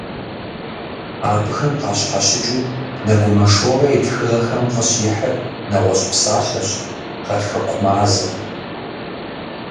Абыхэм къыщхьэщыкӀыу, Нэгумэ Шорэ и тхыгъэхэм къыщихьыр нэгъуэщӀ псалъэщ - гъатхэкумазэ.